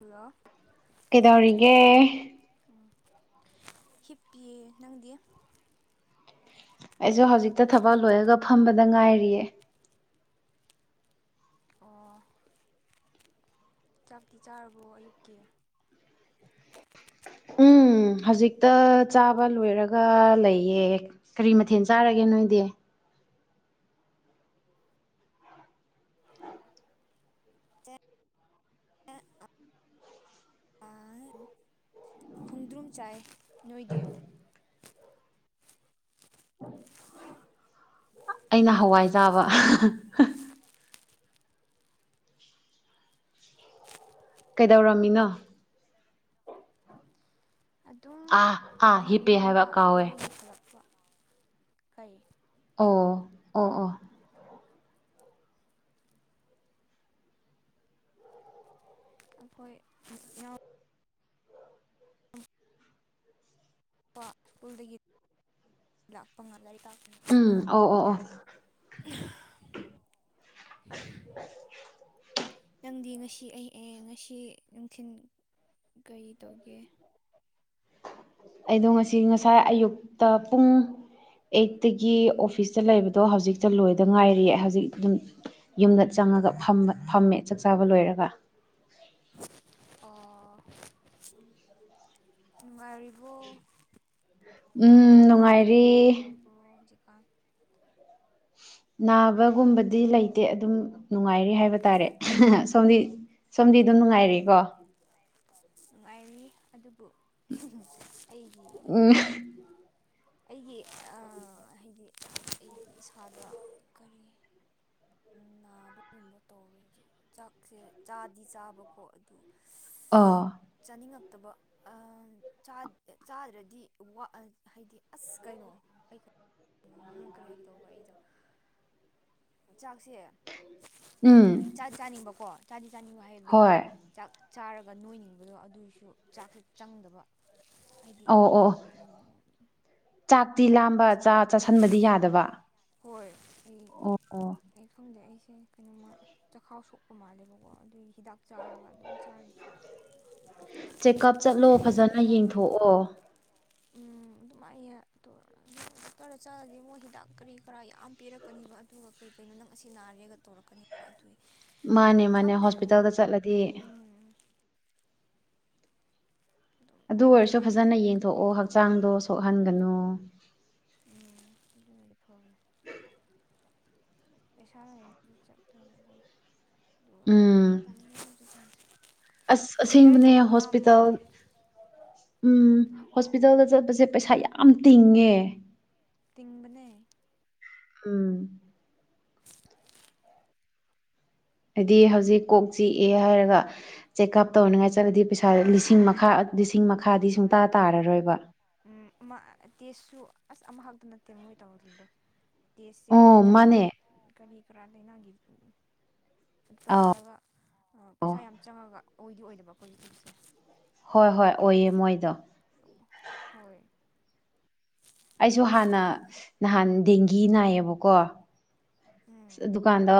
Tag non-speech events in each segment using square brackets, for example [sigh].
hello ꯀꯩꯗꯧꯔꯤꯒꯦ ꯍꯤꯞꯄꯤ ꯅꯪꯗꯤ ꯑꯩꯁꯨ ꯍꯧꯖꯤꯛꯇ ꯊꯕꯛ ꯂꯣꯏꯔꯒ ꯐꯝꯕꯗ ꯉꯥꯏꯔꯤꯌꯦ ꯑꯣ ꯆꯥꯛꯇꯤ ꯆꯥꯔꯕꯣ ꯑꯌꯨꯛꯀꯤ ꯎꯝ ꯍꯧꯖꯤꯛꯇ ꯆꯥꯕ ꯂꯣꯏꯔꯒ ꯂꯩꯌꯦ ꯀꯔꯤ ꯃꯊꯦꯜ ꯆꯥꯔꯒꯦ ꯅꯣꯏꯗꯤ ꯑ ꯈꯣꯡꯗ꯭ꯔꯨꯝ ꯆꯥꯏ ꯅꯣꯏꯗꯤ ꯑꯩꯅ ꯍꯋꯥꯏ ꯆꯥꯕ ꯀꯩꯗꯧꯔꯝꯃꯤꯅꯣ ꯑꯗꯨꯝ ꯑꯥ ꯑꯥ ꯍꯤꯞꯄꯦ ꯍꯥꯏꯕ ꯏꯅꯥꯎꯄꯥ ꯀꯥꯎꯋꯦ ꯁ꯭ꯀꯨꯜꯗꯒꯤ ꯍꯜꯂꯛꯄ ꯀꯩ ꯑꯣ ꯑꯣ ꯑꯣ ꯑꯈꯣꯏ ꯏꯅꯥꯎ ꯄꯥ ꯁ꯭ꯀꯨꯜꯗꯒꯤ ꯂꯥꯛꯄ ꯉꯜꯂꯦ ꯇꯥꯎ ꯎꯝ ꯑꯣ ꯑꯣ ꯑꯣ [inaudible] ꯅꯪꯗꯤ ꯉꯁꯤ ꯑꯩ ꯑꯦ ꯉꯁꯤ ꯅꯨꯡꯊꯜ ꯀꯔꯤ ꯇꯧꯒꯦ ꯑꯩꯗꯣ ꯉꯁꯤ ꯉꯁꯥꯏ ꯑꯌꯨꯛꯇ ꯄꯨꯡ ꯑꯩꯠꯇꯒꯤ ꯑꯣꯐꯤꯁꯇ ꯂꯩꯕꯗꯣ ꯍꯧꯖꯤꯛꯇ ꯂꯣꯏꯗ ꯉꯥꯏꯔꯤ ꯍꯧꯖꯤꯛ ꯑꯗꯨꯝ ꯌꯨꯝꯗ ꯆꯪ ꯉꯒ ꯐꯝꯕ ꯐꯝꯃꯦ ꯆꯥꯛ ꯆꯥꯕ ꯂꯣꯏꯔꯒ ꯑꯣ ꯅꯨꯡꯉꯥꯢꯔꯤ ꯕ꯭ꯔꯣ ꯅꯥꯕ ꯎꯝ ꯅꯨꯡꯉꯥꯏꯔꯤ ꯈꯣꯠꯄꯒꯨꯝꯕ ꯇꯧꯕ꯭ꯔꯣ ꯍꯧꯖꯤꯛ ꯅꯥꯕꯒꯨꯝꯕꯗꯤ ꯂꯩꯇꯦ ꯑꯗꯨꯝ ꯅꯨꯡꯉꯥꯏꯔꯦ ꯍꯥꯏꯕ ꯇꯥꯔꯦ ꯁꯣꯝꯗꯤ ꯁꯣꯝꯗꯤ ꯑꯗꯨꯝ ꯅꯨꯡꯉꯥꯏꯔꯤꯀꯣ ꯅꯨꯡꯉꯥꯏꯔꯤ ꯑꯗꯨꯕꯨ ꯑꯩꯒꯤ ꯎꯝ ꯑꯩꯒꯤ ꯑꯥ ꯍꯥꯏꯗꯤ ꯑꯩꯒꯤ ꯏꯁꯥꯗ ꯀꯔꯤ ꯅꯥꯕꯒꯨꯝꯕ ꯇꯧꯔꯦ ꯍꯧꯖꯤꯛ ꯆꯥꯛꯁꯦ ꯆꯥꯗꯤ ꯆꯥꯕꯀꯣ ꯑꯗꯨ ꯑꯣ ꯆꯥꯅꯤꯡꯉꯛꯇꯕ ꯑ ꯆꯥꯗ꯭ꯔꯗꯤ ꯋꯥ ꯍꯥꯏꯗꯤ ꯑꯁ ꯀꯩꯅꯣ ꯑꯩ ꯀꯔꯤ ꯍꯥꯏꯒꯦꯗꯧꯕ꯭ꯔꯥ ꯑꯩꯗꯣ ꯆꯥꯛꯁꯦ ꯎꯝ ꯆꯥꯗꯤ ꯆꯥꯅꯤꯡꯕꯀꯣ ꯆꯥꯗꯤ ꯆꯥꯅꯤꯡꯕ ꯍꯥꯏꯕꯗꯤ ꯍꯣꯏ ꯆꯥꯛ ꯆꯥꯔꯒ ꯅꯣꯏꯅꯤꯡꯕꯗꯣ ꯑꯗꯨꯏꯁꯨ ꯆꯥꯛꯁꯦ ꯆꯪꯗꯕ ꯍꯥꯏꯗꯤ ꯑꯣ ꯑꯣ ꯆꯥꯛ ꯥꯇꯤ ꯂꯥꯝꯕ ꯆꯥ ꯍꯣꯏ ꯆꯥꯥꯁꯟꯕꯗꯤ ꯌꯥꯗꯕ ꯍꯣꯏ ꯑꯩ ꯑꯣ ꯑꯩ ꯈꯪꯗꯦ ꯑꯩꯁꯦ ꯀꯩꯅꯣꯃ ꯆꯈꯥꯎ ꯁꯣꯛꯄ ꯃꯥꯜꯂꯦꯕꯀꯣ ꯑꯗꯨꯒꯤ ꯍꯤꯗꯥꯛ ꯆꯥꯔꯒ ꯑꯗꯨꯝ ꯆꯥꯔꯤ ꯆꯦꯛꯀꯞ ꯆꯠꯂꯣ ꯐꯖꯅ ꯌꯦꯡꯊꯣꯛꯑꯣ ꯎꯝ ꯑꯗꯨꯃꯥꯏꯅ ꯇꯧ [inaudible] ꯇꯔ ꯆꯥꯔꯗꯤ ꯃꯣꯏ ꯍꯤꯗꯥꯛ ꯀꯔꯤ ꯀꯔ ꯌꯥꯝ ꯄꯤꯔꯛꯀꯅꯤꯕ ꯑꯗꯨꯒ ꯀꯩ ꯀꯩꯅꯣ ꯅꯪ ꯑꯁꯤ ꯅꯥꯔꯦꯒ ꯇꯧꯔꯛꯀꯅꯦꯕ ꯑꯗꯨꯏ ꯃꯥꯅꯦ ꯃꯥꯅꯦ ꯍꯣꯁꯄꯤꯇꯥꯜꯗ ꯆꯠꯂꯗꯤ ꯎꯝ ꯑꯗꯨꯝ ꯑꯗꯨ ꯋꯥꯔꯤ ꯑꯣꯏꯔꯁꯨ ꯑꯃꯗꯤ ꯐꯖꯅ ꯂꯩꯔꯛꯀꯅꯤ ꯌꯦꯡꯊꯣꯛꯑꯣ ꯑꯗꯨꯏ ꯍꯛꯆꯥꯡꯗꯣ ꯁꯣꯛꯍꯟꯒꯅꯨ ꯎꯝ ꯑꯗꯨꯅꯗꯤ ꯐꯥꯕꯅꯦ ꯎꯝ [inaudible] ꯄꯩꯁꯥ ꯂꯩꯇꯦ ꯆꯠꯇꯣꯏꯕꯀꯣ ꯑꯗꯨ ꯎꯝ [unintelligible] ꯑꯁ ꯑꯁꯦꯡꯕꯅꯦ ꯑꯃ ꯍꯣꯁꯄꯤꯇꯥꯜ ꯎꯝ ꯍꯣꯁꯄꯤꯇꯥꯜꯗ ꯆꯠꯄꯁꯦ ꯄꯩꯁꯥ ꯌꯥꯝ ꯇꯤꯡꯉꯦ ꯇꯤꯡꯕꯅꯦ ꯎꯝ ꯍꯥꯏꯗꯤ ꯍꯧꯖꯤꯛ ꯀꯣꯛ ꯆꯤꯛꯑꯦ ꯍꯥꯏꯔꯒ ꯆꯦꯛꯑꯞ ꯇꯧꯅꯤꯡꯉꯥꯏ ꯆꯠꯂꯗꯤ ꯄꯩꯁꯥ ꯂꯤꯁꯤꯡ ꯃꯈꯥ ꯃꯈꯥꯗꯤ ꯁꯨꯡꯇꯥ ꯍꯣꯏ ꯇꯥꯔꯔꯣꯏꯕ ꯎꯝ ꯃ ꯇꯦꯁꯁꯨ ꯑꯁ ꯑꯃꯍꯥꯛꯇ ꯅꯠꯇꯦ ꯃꯣꯏ ꯇꯧꯍꯜꯂꯤꯗꯣ ꯇꯦꯁꯁꯦ ꯑꯣ ꯖꯥꯠ ꯃꯥꯅꯦ ꯖꯥꯠ ꯀꯔꯤ ꯀꯔꯤ ꯀꯔꯥ ꯂꯩꯏꯅꯒꯤ ꯇꯧꯍꯜꯂꯒ ꯄꯩꯁꯥ ꯌꯥꯝ ꯆꯪꯉꯒ ꯑꯣꯏꯗꯤ ꯑꯣꯏꯗꯕ ꯑꯩꯈꯣꯏꯒꯤ ꯏꯁꯦ ꯍꯣꯏ ꯍꯣꯏ ꯑꯣꯏꯌꯦ ꯃꯣꯏꯗꯣ ꯍꯣꯏ ꯑꯩꯁꯨ ꯍꯥꯟꯅ ꯅꯍꯥꯟ ꯗꯦꯡꯒꯤ ꯅꯥꯏꯌꯦꯕꯀꯣ ꯎꯝ ꯑꯗꯨꯀꯥꯟꯗ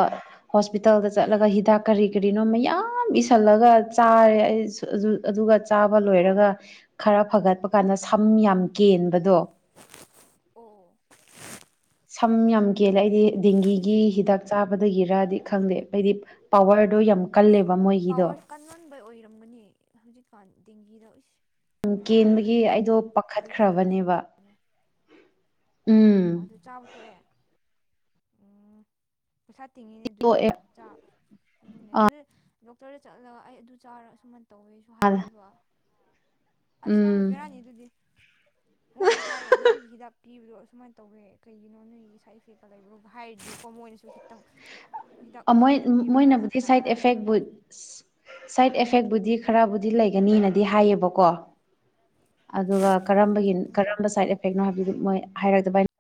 ꯍꯣꯁꯄꯤꯇꯥꯜꯗ ꯆꯠꯂꯒ ꯍꯤꯗꯥꯛ ꯀꯔꯤ ꯀꯔꯤꯅꯣ ꯃꯌꯥꯝ ꯏꯁꯤꯜꯂꯒ ꯆꯥꯔꯦ ꯑꯩ ꯑꯗꯨꯒ ꯆꯥꯕ ꯂꯣꯏꯔꯒ ꯈꯔ ꯐꯒꯠꯄ ꯀꯥꯟꯗ ꯁꯝ ꯌꯥꯝ ꯀꯦꯟꯕꯗꯣ ꯑꯣ ꯁꯝ ꯌꯥꯝ ꯀꯦꯜꯂꯦ ꯑꯩꯗꯤ ꯗꯦꯡꯒꯤꯒꯤ ꯍꯤꯗꯥꯛ ꯆꯥꯕꯗꯒꯤꯔꯗꯤ ꯈꯪꯗꯦ ꯑꯩꯗꯤ ꯄꯋꯥꯔ ꯑꯗꯣ ꯌꯥꯝ ꯀꯜꯂꯦꯕ ꯃꯣꯏꯒꯤꯗꯣ ꯃꯅꯦ ꯍꯧꯖꯤꯛꯀꯥꯟ ꯗꯦꯡꯒꯤꯗ ꯏꯁ ꯎ ꯀꯦꯟꯕꯒꯤ ꯃꯤ ꯑꯩꯗꯣ ꯂꯩꯈꯤꯗꯕꯁꯨ ꯄꯥꯈꯠꯈ꯭ꯔꯕꯅꯦꯕ ꯑꯣ ꯎꯝ ꯑꯗꯨ ꯆꯥꯕ ꯇꯣꯛꯑꯦ ꯎꯝ ꯄꯩꯁꯥ ꯇꯤꯡꯉꯤꯅꯦ ꯑꯗꯨꯗꯤ ꯇꯣꯛꯑꯦ ꯆ ꯑꯗꯨꯅꯦ ꯑꯗꯨꯗꯤ ꯗꯣꯛꯇꯔꯗ ꯆꯠꯂꯒ ꯑꯩ ꯑꯗꯨ ꯆꯥꯔ ꯁꯨꯃꯥꯏꯅ ꯇꯧꯋꯦꯁꯨ ꯍꯥꯏꯗꯕ ꯑꯁ ꯅꯪ ꯎꯝ ꯕꯤꯔꯥꯅꯤꯗꯨꯗꯤ ꯃꯣꯏꯗ ꯍꯥꯏꯔꯦ ꯅꯪꯒꯤ ꯍꯤꯗꯥꯛ ꯄꯤꯕꯗꯣ ꯑꯁꯨꯃꯥꯏꯅ ꯇꯧꯋꯦ ꯀꯩꯒꯤꯅꯣ ꯅꯣꯏꯒꯤ ꯁꯥꯏꯠ ꯏꯐꯦꯛꯀ ꯂꯩꯕ꯭ꯔꯣꯕ ꯍꯥꯏꯔꯗꯤꯀꯣ ꯃꯣꯏꯅꯁꯨ ꯈꯤ ꯃꯣꯏ ꯀꯅꯥ ꯃꯣꯏꯅꯕꯨꯗꯤ ꯀꯅꯥ ꯁꯥꯏꯠ ꯀꯅꯥꯅ ꯑꯦꯐꯦꯛ ꯈꯪ ꯁꯥꯏꯠ ꯑꯦꯐꯦꯛꯕꯨꯗꯤ ꯗꯤ ꯈꯔꯕꯨꯗꯤ ꯂꯩꯒꯅꯤꯅꯗꯤ ꯍꯥꯏꯌꯦꯕꯀꯣ ꯑꯗꯨꯒ ꯀꯔꯝꯕꯒꯤ ꯎꯝ ꯀꯔꯝꯕ ꯁꯥꯏꯠ ꯏꯐꯦꯛꯅꯣ ꯍꯥꯏꯕꯗꯨꯗꯤ ꯃꯣꯏ ꯍꯥꯏꯔꯛꯇꯕꯩꯅꯦ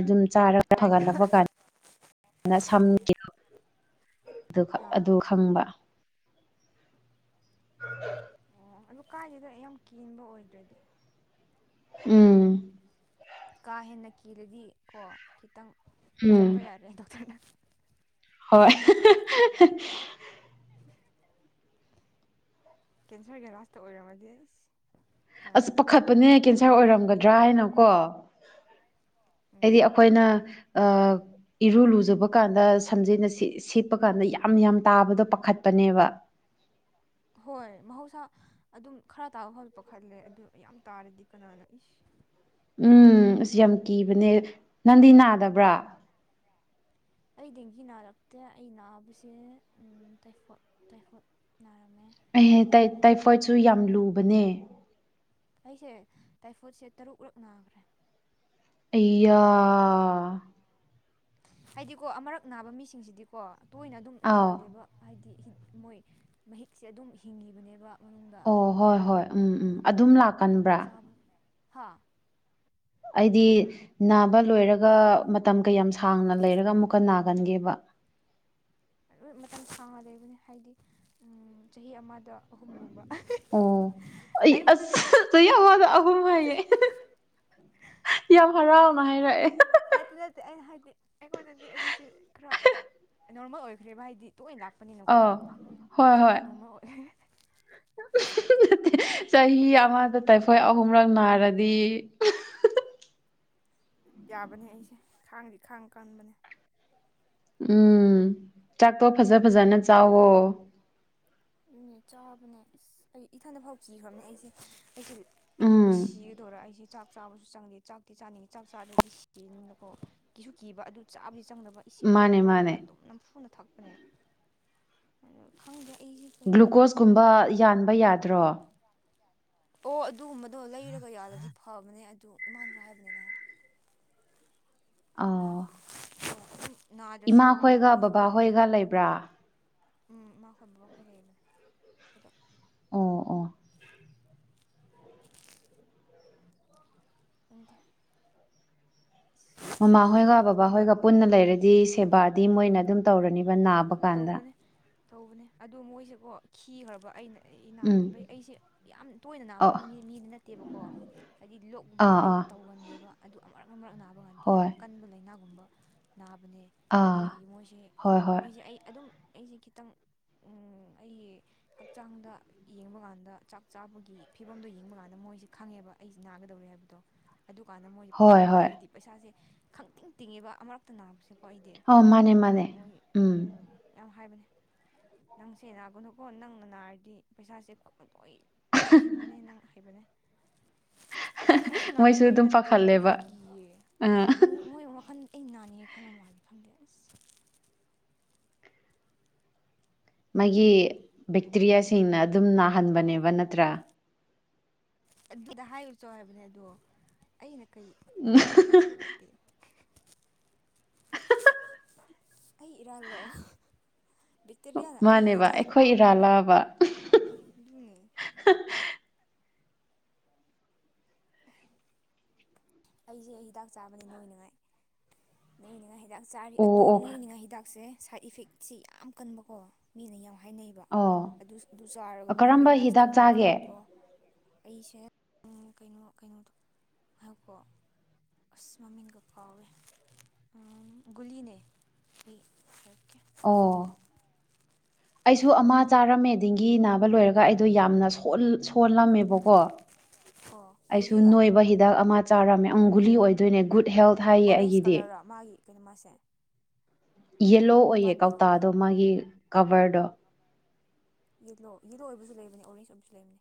ꯑꯗꯨꯝ ꯆꯥꯔꯒ ꯍꯥꯏꯔꯛꯇꯕ ꯐꯒꯠꯂꯛꯄ ꯀꯥꯟ ꯑꯗꯨꯅ ꯁꯝ ꯑꯗꯨ ꯑꯥ ꯑꯗꯨ ꯈꯪꯕ ꯑ [inaudible] ꯑꯣ ꯑꯗꯨ ꯀꯥꯏꯗꯦꯗ ꯌꯥꯝ ꯀꯦꯟꯕ ꯑꯣꯏꯗ꯭ꯔꯗꯤ ꯎꯝ ꯀꯥ ꯍꯦꯟꯅ ꯀꯦꯜꯂꯗꯤ ꯀꯣ ꯈꯤꯇꯪ ꯎꯝ ꯆꯠꯄ ꯌꯥꯔꯦ ꯗꯣꯛꯇꯔꯗ ꯍꯣꯏ ꯀꯦꯟꯁꯔꯒꯤ ꯂꯥꯁꯇ ꯑꯣꯏꯔꯝꯃꯗꯤ ꯑꯁ ꯑꯁ ꯄꯥꯈꯠꯄꯅꯦ ꯀꯦꯟꯁꯔ ꯑꯣꯏꯔꯝꯒꯗ꯭ꯔꯥ ꯍꯥꯏꯅ ꯀꯣ ꯑꯩꯗꯤ ꯎꯝ ꯑꯩꯈꯣꯏꯅ ꯑ ꯏꯔꯨ ꯂꯨꯖꯕ ꯀꯥꯟꯗ ꯁꯝꯖꯦꯅ ꯁꯦꯠꯄ ꯀꯥꯟꯗ ꯌꯥꯝ ꯌꯥꯝ ꯇꯥꯕꯗꯣ ꯄꯥꯈꯠꯄꯅꯦꯕ [unintelligible] ꯍꯣꯏ ꯃꯍꯧꯁꯥ ꯑꯗꯨꯝ ꯈꯔ ꯇꯥꯕ ꯐꯄ ꯈꯜꯂꯦ ꯑꯗꯨ ꯌꯥꯝ ꯇꯥꯔꯗꯤ ꯀꯅꯥꯅ ꯏꯁ ꯎꯝ ꯑꯁ ꯌꯥꯝ ꯀꯤꯕꯅꯦ ꯅꯪꯗꯤ ꯅꯥꯗꯕ꯭ꯔꯥ ꯑꯩ ꯗꯦꯡꯒꯤ ꯅꯥꯔꯛꯇꯦ ꯑꯩ ꯅꯥꯕꯁꯦ ꯎꯝ ꯇꯥꯏꯐꯣꯠ ꯇꯥꯏꯐꯣꯠ ꯅꯥꯔꯝꯃꯦ ꯑꯩ ꯇꯥꯏ ꯑꯗꯨ ꯇꯥꯏꯐꯣꯠꯁꯨ ꯌꯥꯝ ꯂꯨꯕꯅꯦ ꯑꯩꯁꯦ ꯇꯥꯏꯐꯣꯏꯠꯁꯦ ꯇꯔꯨꯛꯔꯛ ꯅꯥꯒ꯭ꯔꯦ ꯑꯩꯌꯥ ꯑꯩꯗꯤꯀꯣ ꯑꯃꯔꯛ ꯅꯥꯕ ꯃꯤꯁꯤꯡꯁꯤꯗꯤꯀꯣ ꯇꯣꯏꯅ ꯑꯗꯨꯝ ꯑꯥꯎ ꯅꯥꯒꯜꯂꯦꯕ ꯍꯥꯏꯗꯤ ꯃꯣꯏ ꯃꯍꯤꯛꯁꯦ ꯑꯗꯨꯝ ꯍꯤꯡꯉꯤꯕꯅꯦꯕ ꯃꯅꯨꯡꯗ ꯑꯣ ꯍꯣꯏ ꯍꯣꯏ ꯎꯝ ꯑꯗꯨ ꯎꯝ ꯑꯗꯨꯝ ꯂꯥꯛꯀꯟꯕ꯭ꯔꯥ ꯍꯥꯥ ꯑꯩꯗꯤ ꯅꯥꯕ ꯂꯣꯏꯔꯒ ꯃꯇꯝ ꯀꯌꯥꯝ ꯁꯥꯡꯅ ꯂꯩꯔꯒ ꯑꯃꯨꯛꯀ ꯅꯥꯒꯟꯒꯦꯕ [inaudible] [unintelligible] ꯃꯇꯝ ꯁꯥꯡꯅ ꯂꯩꯕꯅꯦ ꯍꯥꯏꯗꯤ ꯎꯝ ꯆꯍꯤ ꯑꯃꯗ ꯑꯍꯨꯝꯒꯨꯝꯕ ꯑꯣ ꯑꯩ ꯑꯁ ꯑꯩꯉꯣꯟꯗꯗꯤ ꯆꯍꯤ ꯑꯃꯗ ꯑꯍꯨꯝ ꯍꯥꯢꯌꯦ ꯌꯥꯝ ꯍꯔꯥꯎꯅ ꯍꯥꯏꯔꯛꯑꯦ ꯅꯠꯇꯦ ꯅꯠꯇꯦ ꯑꯩꯅ ꯍꯥꯏꯗꯤ ꯑꯩꯉꯣꯟꯗꯗꯤ ꯑꯗꯨꯁꯤ ꯈꯔ ꯅꯣꯔꯃꯦꯜ ꯑꯣꯏ ꯈꯔꯦꯕ ꯍꯥꯢꯗꯤ ꯑ ꯍꯣꯏ ꯍꯣꯏ ꯅꯣꯔꯃꯦꯜ ꯑꯣꯏ ꯆꯍꯤ ꯑꯃꯗ ꯇꯥꯏꯐꯣꯏ ꯑꯍꯨꯝꯔꯛ ꯅꯥꯔꯗꯤ ꯌꯥꯕꯅꯦ ꯑꯩꯁꯦ ꯈꯥꯡꯗꯤ ꯈꯥꯡ ꯀꯟꯕꯅꯦ ꯎꯝ ꯆꯥꯛꯇꯣ ꯐꯖ ꯐꯖꯅ ꯆꯥꯎꯋꯣ ꯎꯝ ꯆꯥꯕꯅꯦ ꯑꯁ ꯑꯩ ꯏꯊꯟꯗ ꯐꯥꯎ ꯀꯤꯈ꯭ꯔꯝꯅꯦ ꯑꯩꯁꯦ ꯑꯩꯁꯦ ꯑꯩꯒ ꯎꯝ ꯁꯤꯒꯗꯧꯔꯥ ꯑꯩꯁ ꯆꯥꯛ ꯆꯥꯕꯁꯨ ꯆꯪꯗꯦ ꯆꯥꯛꯇꯤ ꯆꯥꯅꯤꯡꯉꯤ ꯆꯥꯛ ꯆꯥꯗ꯭ꯔꯗꯤ ꯁꯤꯅꯤꯅꯀꯣ ꯀꯤꯁꯨ ꯀꯤꯕ ꯑꯗꯨ ꯆꯥꯕ ꯆꯪꯗꯕ ꯏꯁꯤꯡ ꯌꯣꯠ ꯃꯥꯅꯦ ꯌꯣꯠꯂꯒ ꯃꯥꯅꯦ ꯑꯗꯨꯝ ꯅꯝꯐꯨꯅ ꯊꯛꯄꯅꯦ ꯑꯗꯨ ꯈꯪꯗꯦ ꯑꯩ ꯒ꯭ꯂꯨꯀꯣꯁꯀꯨꯝꯕ ꯌꯥꯟꯕ ꯌꯥꯗ꯭ꯔꯣ ꯑꯣ ꯑꯗꯨꯒꯨꯝꯕꯗꯣ ꯂꯩꯔꯒ ꯌꯥꯜꯂꯗꯤ ꯐꯕꯅꯦ ꯑꯗꯨ ꯏꯃꯥꯅꯁꯨ ꯍꯥꯏꯕꯅꯤ ꯅꯍꯥꯟ ꯑ ꯑꯣ ꯑꯗꯨꯝ ꯅꯥꯗ꯭ꯔꯁꯨ ꯏꯃꯥ ꯈꯣꯏꯒ ꯒ꯭ꯂꯨꯀꯣꯁꯒꯨꯝꯕꯗꯤ ꯕꯕꯥꯍꯣꯏꯒ ꯂꯩꯕ꯭ꯔꯥ ꯎꯝ ꯏꯃꯥꯈꯣꯏ ꯕꯕꯥꯈꯣꯏ ꯂꯩꯕꯅꯦ ꯑꯗꯣ [inaudible] ꯅꯪꯗꯤ ꯃꯃꯥꯍꯣꯏꯒ ꯕꯕꯥꯍꯣꯏꯒ ꯄꯨꯟꯅ ꯂꯩꯔꯗꯤ ꯁꯦꯕꯥꯗꯤ ꯃꯣꯏꯅ ꯎꯝ ꯑꯗꯨꯝ ꯇꯧꯔꯅꯤꯕ ꯅꯥꯕ ꯀꯥꯟꯗ ꯇꯧꯕꯅꯦ ꯇꯧꯕꯅꯦ ꯑꯗꯨ ꯃꯣꯏꯁꯦꯀꯣ ꯈꯤꯈ꯭ꯔꯕ ꯑꯩꯅ ꯑꯩ ꯎꯝ ꯅꯥꯝꯃꯟꯕꯩ ꯑꯩꯁꯦ ꯌꯥꯝ ꯇꯣꯏꯅ ꯅꯥꯕ ꯑ ꯃꯤ ꯃꯤꯗꯤ ꯅꯠꯇꯦꯕꯀꯣ ꯍꯥꯏꯗꯤ ꯂꯣꯛꯒꯨꯝꯕꯁꯦ ꯑꯥ ꯑꯩ ꯑꯥ ꯇꯧꯒꯟꯗꯦꯕ ꯑꯗꯨ ꯑꯃꯔꯛ ꯑꯃꯔꯛ ꯅꯥꯕ ꯀꯥꯟꯗ ꯌꯥꯝ ꯍꯣꯏ ꯀꯟꯕ ꯂꯩꯅꯥꯒꯨꯝꯕ ꯅꯥꯕꯅꯦ ꯑꯥ ꯑꯗꯨꯒꯤ ꯃꯣꯏꯁꯦ ꯍꯣꯏ ꯍꯣꯏ ꯃꯣꯏꯁꯦ ꯑꯩ ꯑꯗꯨꯝ ꯑꯩꯁꯦ ꯈꯤꯇꯪ ꯎꯝ ꯑꯩ ꯍꯛꯆꯥꯡꯗ ꯌꯦꯡꯕ ꯀꯥꯟꯗ ꯆꯥꯛ ꯆꯥꯕꯒꯤ ꯐꯤꯕꯝꯗꯣ ꯌꯦꯡꯕ ꯀꯥꯟꯗ ꯃ ꯃꯣꯏꯁꯦ ꯈꯪꯉꯦꯕ ꯑꯩꯁ ꯅꯥꯒꯗꯧꯔꯦ ꯍꯥꯏꯕꯗꯣ ꯑꯗꯨꯀꯥꯟꯗ ꯃꯣꯏꯁꯦ ꯍꯣꯏ ꯄꯥꯈꯠꯄꯅꯦ ꯍꯣꯏ ꯍꯥꯏꯗꯤ ꯄꯩꯁꯥꯁꯦ ꯈꯪꯇꯤꯡ ꯇꯤꯡꯉꯦꯕ ꯑꯃꯔꯛꯇ ꯅꯥꯕꯁꯦ ꯍꯣꯏꯗꯤ ꯑꯧ ꯃꯥꯅꯦ ꯑꯗꯤ ꯃꯥꯅꯦ ꯃꯣꯏ ꯎꯝ ꯌꯥꯝ ꯍꯥꯏꯕꯅꯦ ꯅꯪꯁꯦ ꯅꯥꯒꯅꯨꯀꯣ ꯅꯪꯅ ꯅꯥꯔꯗꯤ ꯄꯩꯁꯥꯁꯦ [unintelligible] ꯂꯣꯏ ꯂꯣꯏꯁꯤꯟꯕꯅꯦ ꯅꯪ ꯍꯩꯕꯅꯦ ꯑꯩꯁꯨ ꯃꯣꯏꯁꯨ ꯅꯥꯅꯤꯡꯕꯩ ꯑꯗꯨꯝ ꯅꯠꯇꯦ ꯑꯩꯁꯨ ꯄꯥꯈꯠꯂꯦꯕ ꯀꯤꯌꯦ ꯍꯣꯏ ꯑ ꯃꯣꯏ ꯃꯣꯏ ꯋꯈꯟ ꯑꯩ ꯅꯥꯅꯤꯉꯦ ꯈꯟꯕ ꯃꯥꯜꯂꯦ ꯈꯪꯗꯦ ꯑ꯭ꯁ ꯃꯥꯒꯤ ꯕꯦꯛꯇ꯭ꯔꯤꯌꯥꯁꯤꯡꯅ ꯑꯗꯨꯝ ꯅꯥꯍꯟꯕꯅꯦꯕ ꯅꯠꯇ꯭ꯔꯥ ꯑꯗꯨꯗ ꯍꯥꯏꯔꯨꯆꯣ ꯍꯥꯏꯕꯅꯦ ꯑꯗꯣ ꯑꯩꯅ ꯀꯩ ꯑꯩ ꯑꯩꯒꯤ ꯊꯧ ꯂꯩꯇꯦ [unintelligible] ꯑꯩ ꯏꯔꯥꯜꯂꯣ ꯃꯥꯅꯦꯕ ꯑꯩꯈꯣꯏ ꯏꯔꯥꯜꯂꯥꯑꯕ ꯑꯗꯨꯅꯦ ꯑꯩꯁꯦ ꯍꯤꯗꯥꯛ ꯆꯥꯕꯅꯦ ꯅꯣꯏꯅꯉꯥꯏ ꯅꯣꯏꯅꯉꯥꯏ ꯍꯥꯏ ꯍꯤꯗꯥꯛ ꯆꯥꯔꯤ ꯑꯗꯨ ꯑꯣ ꯅꯣꯏꯅꯤꯅ ꯍꯤꯗꯥꯛꯁꯦ ꯁꯥꯏꯠ ꯏꯐꯦꯛꯁꯤ ꯌꯥꯝ ꯀꯟꯕꯀꯣ ꯃꯤꯅ ꯍꯥꯏꯅꯩꯕ ꯑꯣ ꯑꯗꯨ ꯑꯗꯨ ꯆꯥꯔꯒ ꯑꯣ ꯃꯤ ꯀꯔꯝꯕ ꯄꯦꯔꯗꯥꯥꯏꯁ ꯇꯧꯋꯦ ꯍꯤꯗꯥꯛ ꯅꯪ ꯆꯥꯒꯦ ꯈꯪꯗ꯭ꯔꯣ ꯑꯩꯁꯦ ꯀꯩꯅꯣ ꯀꯩꯅꯣꯗꯣ ꯍꯥꯏꯀꯣ ꯑꯁ ꯃꯃꯤꯡꯒꯥ ꯀꯥꯎꯋꯦ ꯑꯥ ꯒꯨꯂꯤꯅꯦꯑꯩ ꯍꯥꯏꯔꯛꯀꯦ ꯑꯣ ꯑꯩꯁꯨ ꯑꯃ ꯆꯥꯔꯝꯃꯦ ꯗꯦꯡꯒꯤ ꯅꯥꯕ ꯂꯣꯏꯔꯒ ꯑꯩꯗꯣ ꯌꯥꯝꯅ ꯁꯣꯟ ꯁꯣꯜꯂꯝꯃꯦꯕꯀꯣ ꯑꯣ ꯑꯩꯁꯨ ꯒꯨꯂꯤꯔꯥ ꯅꯣꯏꯕ ꯍꯤꯗꯥꯛ ꯑꯃ ꯆꯥꯔꯝꯃꯦ ꯑꯪ ꯒꯨꯂꯤ ꯑꯣꯏꯗꯣꯏꯅꯦ ꯒꯨꯗ ꯍꯦꯜꯠ ꯍꯥꯏꯌꯦ ꯑꯣꯔꯦꯟꯖ ꯑꯩꯒꯤꯗꯤ ꯀꯂꯔ ꯃꯥꯒꯤ ꯀꯩꯅꯣ ꯃꯥꯁꯦ ꯌꯦꯂꯣ ꯑꯣꯏꯌꯦ ꯃꯄꯥꯟꯒꯤ ꯀꯣꯕꯔ ꯀꯧꯇꯥꯗꯣ ꯃꯥꯒꯤ ꯀꯕꯔꯗꯣ ꯌꯦꯂꯣ ꯌꯦꯂꯣ ꯑꯣꯏꯕꯁꯨ ꯂꯩꯕꯅꯦ ꯑꯣꯔꯦꯟꯖ ꯑꯣꯏꯕꯁꯨ ꯂꯩꯕꯅꯦ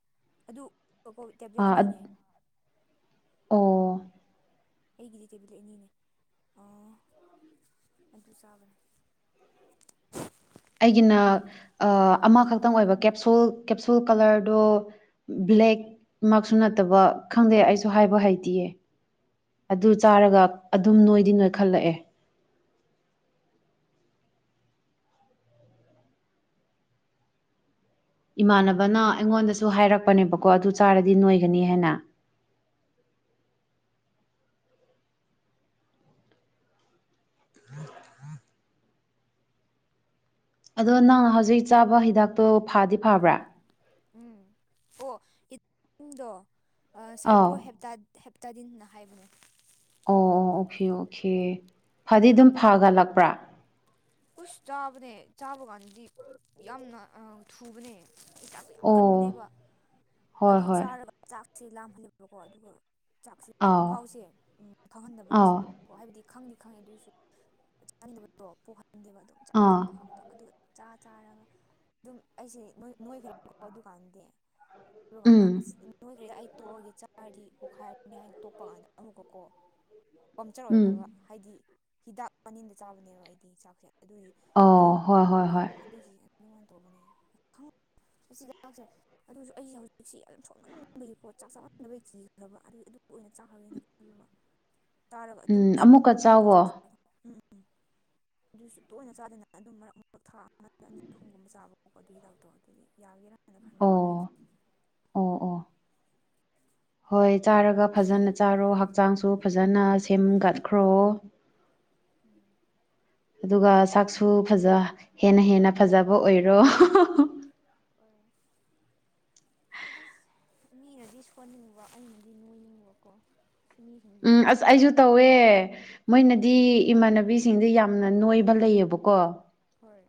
ꯑꯗꯨ ꯀꯣ ꯇꯦꯕꯂꯦꯠ ꯑꯥ ꯑꯅꯤꯅꯦ ꯑꯣ ꯑꯩꯒꯤꯗꯤ ꯇꯦꯕꯂꯦꯠ ꯑꯅꯤꯅꯦ ꯑꯥ ꯑꯗꯨ ꯆꯥꯕꯅꯦ [inaudible] ꯑꯩꯒꯤꯅ ꯑꯥ ꯑꯃꯈꯛꯇꯪ ꯑꯣꯏꯕ ꯀꯦꯞꯁꯨꯜ ꯀꯦꯞꯁꯨꯜ ꯀꯂꯔꯗꯣ ꯕꯂꯦꯛꯃꯛꯁꯨ ꯅꯠꯇꯕ ꯈꯪꯗꯦ ꯑꯩꯁꯨ ꯍꯥꯏꯕ ꯍꯩꯇꯤꯌꯦ ꯑꯗꯨ ꯆꯥꯔꯒ ꯑꯗꯨꯝ ꯅꯣꯏꯗꯤ ꯅꯣꯏ ꯈꯠꯂꯛꯑꯦ ꯏꯃꯥꯟꯅꯕꯅ ꯑꯩꯉꯣꯟꯗꯁꯨ ꯍꯥꯏꯔꯛꯄꯅꯦꯕꯀꯣ ꯑꯗꯨ ꯆꯥꯔꯗꯤ ꯅꯣꯏꯒꯅꯤ ꯍꯥꯏꯅ [inaudible] [inaudible] ꯑꯗꯣ ꯅꯪ ꯍꯧꯖꯤꯛ ꯆꯥꯕ ꯍꯤꯗꯥꯛꯇꯣ ꯐꯥꯗꯤ ꯐꯕ꯭ꯔꯥ ꯎꯝ ꯑꯣ ꯏꯝꯗꯣ ꯑꯥꯎ ꯁꯥꯏꯄ꯭ꯔꯣ ꯍꯦꯞꯇꯥ ꯍꯦꯞꯇꯥꯗꯤꯟꯅ ꯍꯥꯏꯕꯅꯦ ꯑꯣ ꯑꯣ ꯑꯣꯀꯦ ꯑꯣꯀꯦ ꯐꯗꯤ ꯑꯗꯨꯝ ꯐꯒꯠꯂꯛꯄ꯭ꯔꯥ ꯎꯁ ꯆꯥꯕꯅꯦ ꯆꯥꯕ ꯀꯥꯟꯗꯗꯤ ꯌꯥꯝꯅ ꯑꯥ ꯊꯨꯕꯅꯦ ꯍꯤꯗꯥꯛ ꯇꯣ ꯌꯥꯝ ꯑꯣ ꯀꯟꯕꯅꯦꯕ ꯍꯣꯏ ꯑꯗꯨ ꯍꯣꯏ ꯆꯥꯔꯒ ꯆꯥꯛꯁꯦ ꯂꯥꯝꯍꯜꯂꯦꯕꯀꯣ ꯑꯗꯨꯒ ꯆꯥꯛꯁꯦ ꯑꯥꯎ ꯃꯍꯥꯎꯁꯦ ꯐꯪꯍꯟꯗꯕ ꯑꯥꯎ ꯆꯤꯟ ꯍꯥꯏꯕꯗꯤ ꯈꯪꯗꯤ ꯈꯪꯉꯦ ꯑꯗꯨꯑꯣꯏꯁꯨ ꯆꯥꯅꯤꯡꯗꯕꯗꯣ ꯄꯣꯛꯍꯟꯗꯦꯕꯥ ꯑꯗꯨꯝ ꯑꯥ ꯆꯥꯅꯤꯡꯕ ꯈꯛꯇ ꯑꯗꯨ ꯆꯥ ꯆꯥꯔꯒ ꯑꯗꯨꯝ ꯑꯩꯁꯦ ꯅꯣꯏꯈ꯭ꯔꯦꯕꯀꯣ ꯗꯨꯀꯥꯟꯗꯗꯤ ꯑꯗꯨ ꯀꯥꯟꯗ ꯎꯝ ꯑꯁ ꯅꯣꯏꯗ꯭ꯔꯗꯤ ꯑꯩ ꯇꯣꯛꯑꯒꯦ ꯆꯥꯔꯗꯤ ꯄꯣꯛꯈꯥꯏꯔꯅꯤ ꯍꯥꯏꯅ ꯇꯣꯛꯄ ꯀꯥꯟꯗ ꯑꯃꯨꯛꯀ ꯀꯣ ꯎꯝ ꯄꯝꯆꯔ ꯑꯣꯏꯈ꯭ꯔꯕ ꯍꯥꯏꯗꯤ ꯍꯤꯗꯥꯛ ꯃꯅꯤꯡꯗ ꯆꯥꯕꯅꯦꯕ ꯑꯩꯗꯤ ꯆꯥꯛ ꯑꯣ ꯍꯣꯏ ꯍꯣꯏ ꯍꯣꯏ ꯑꯗꯨꯒꯤ ꯑꯗꯨꯃꯥꯏꯅ ꯇꯧꯕꯅꯦ ꯑꯗꯨꯁꯨ ꯑꯩꯁꯦ ꯍꯧꯖꯤꯛꯁꯤ ꯌꯥꯝ ꯁꯣꯜꯃꯅꯥꯕꯒꯤ ꯀꯣ ꯆꯥꯛ ꯆꯝꯟꯗꯕꯩ ꯀꯤꯈ꯭ꯔꯕ ꯑꯗꯨꯏ ꯑꯗꯨꯝ ꯑꯗꯨ ꯑꯣꯏꯅ ꯆꯥꯈ꯭ꯔꯒꯦꯅ ꯈꯜꯂꯕ [inaudible] ꯇꯥꯔꯒ ꯑꯗꯨꯝ ꯎꯝ ꯁꯨꯛꯇꯣꯛ ꯑꯃꯨꯛꯀ ꯇꯣꯛꯇꯕꯗꯣ ꯆꯥꯛ ꯆ ꯆꯥꯎꯋꯣ ꯎꯝ ꯑꯗꯨꯁꯨ ꯇꯣꯏꯅ ꯆꯥꯗꯅꯅ ꯑꯗꯨꯝ ꯃꯔꯛ ꯃꯔꯛ ꯊꯥ ꯑꯃ ꯑꯅꯤ ꯑꯍꯨꯝꯒꯨꯝꯕ ꯆꯥꯕꯣꯀ ꯑꯗꯨꯒꯤ ꯗꯥꯛꯇꯔ ꯑꯗꯨꯗꯤ ꯌꯥꯒꯦꯔꯥ [inaudible] ꯑꯣ ꯑꯣ ꯑꯣ ꯍꯣꯏ ꯆꯥꯔꯒ ꯐꯖꯅ ꯆꯥꯔꯣ ꯍꯛꯆꯥꯡꯁꯨ ꯐꯖꯅ ꯁꯦꯝꯒꯠꯈ꯭ꯔꯣ [inaudible] [inaudible] ꯑꯗꯨꯒ ꯆꯛꯁꯨ ꯐꯖ ꯍꯦꯟꯅ ꯍꯦꯟꯅ ꯐꯖꯕ ꯑꯣꯏꯔꯣ [inaudible] ꯍꯣꯏ ꯑꯁ ꯃꯤꯅꯗꯤ ꯁꯣꯟꯅꯤꯡꯕ ꯑꯩꯅꯗꯤ ꯅꯣꯏꯅꯤꯡꯕꯀꯣ ꯑꯁ ꯃꯤꯁꯤꯡꯗꯤ ꯎꯝ ꯑꯁ ꯑꯩꯖꯨ ꯇꯧꯋꯦ ꯃꯣꯏꯅꯗꯤ ꯏꯃꯥꯟꯅꯕꯤꯁꯤꯡꯗꯤ ꯌꯥꯝꯅ ꯅꯣꯏꯕ ꯂꯩꯑꯕꯀꯣ ꯍꯣꯏ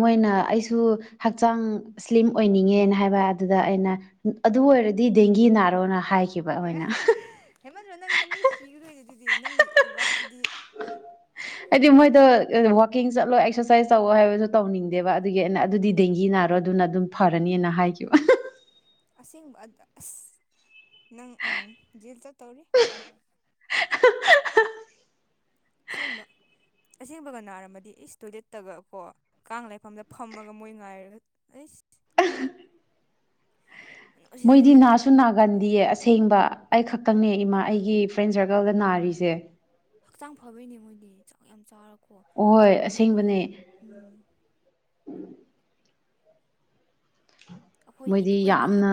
ꯃꯣꯏꯅ ꯑꯩꯁꯨ ꯍꯛꯆꯥꯡ ꯁ꯭ꯂꯤꯝ ꯑꯣꯏꯅꯤꯡꯉꯦꯅ ꯍꯥꯏꯕ ꯑꯗꯨꯗ ꯑꯩꯅ ꯑꯗꯨ ꯑꯣꯏꯔꯗꯤ ꯗꯦꯡꯒꯤ ꯅꯥꯔꯣꯅ ꯍꯥꯏ [unintelligible] ꯍꯦꯃꯟꯗ꯭ꯔꯣ ꯅꯪꯗꯤ ꯃꯤ ꯁꯤꯒꯗꯨꯏꯅꯤ ꯑꯗꯨꯗꯤ ꯅꯪꯒꯤ ꯑꯦꯗꯚꯥꯏꯁꯇꯨꯗꯤ ꯍꯥꯏꯗꯤ ꯃꯣꯏꯗ ꯋꯥꯋꯥꯛꯀꯤꯡ ꯆꯠꯂꯣ ꯑꯦꯛꯁꯔꯁꯥꯏꯁ ꯇꯧꯋꯣ ꯍꯥꯏꯕꯗꯣ ꯇꯧꯅꯤꯡꯗꯦꯕ ꯑꯗꯨꯒꯤ ꯑꯩꯅ ꯑꯗꯨꯗꯤ ꯗꯦꯡꯒꯤ ꯅꯥꯔꯣ ꯑꯗꯨꯝ ꯑꯗꯨꯅ ꯑꯗꯨꯝ ꯐꯔꯅꯤꯅ ꯍꯥꯏꯈꯤꯕ ꯑꯁꯦꯡꯕ ꯑꯁ ꯅꯪ ꯎꯪ ꯖꯦꯜ ꯆꯠꯇꯧꯔꯤ ꯑꯁꯦꯡꯕ ꯑꯁꯦꯡꯕꯒ ꯅꯥꯔꯝꯃꯗꯤ ꯏꯁ ꯇꯣꯏꯂꯦꯠꯇꯒ ꯀꯣ ꯀꯥꯡ ꯂꯩꯐꯝꯗ ꯐꯝꯃꯒ ꯃꯣꯏ ꯉꯥꯏꯔꯒ ꯑꯩ ꯑ [unintelligible] ꯀꯩꯅꯣ ꯃꯣꯏꯗꯤ ꯁꯤꯗꯗꯤ ꯅꯥꯁꯨ ꯎꯝ ꯅꯥꯒꯟꯗꯤꯌꯦ ꯑꯁꯦꯡꯕ ꯑꯩꯈꯛ ꯇꯅꯧ ꯏꯃꯥ ꯑꯩꯒꯤ ꯐ꯭ꯔꯦꯟ ꯁꯔꯀꯜꯗ ꯅꯥꯔꯤꯁꯦ ꯍꯛꯆꯥꯡ ꯐꯕꯩꯅꯦ ꯃꯣꯏꯗꯤ ꯆꯥꯛ ꯌꯥꯝ ꯆꯥꯔꯀꯣ ꯑꯣꯍꯣꯏ ꯃꯣꯏꯒꯤ ꯑꯁꯦꯡꯕꯅꯦ ꯎꯝ ꯑꯩꯈꯣꯏꯒꯤ ꯃꯣꯏꯗꯤ ꯑꯩꯈꯣꯏꯕꯨ ꯌꯥꯝꯅ